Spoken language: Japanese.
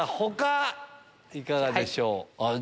他いかがでしょう？